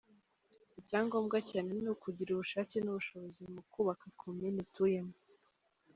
Icyangombwa cyane ni ukugira ubushake n’ubushobozi mu kubaka komini utuyemo.